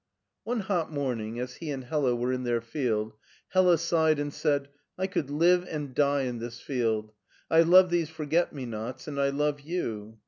One hot morning, as he and Hella were in their field, Hella sighed and said, I could live and die in this field! I love these forget me nots and I love you.'